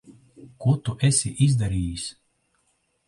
Ko tu esi izdarījis?